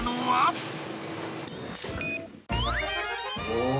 お！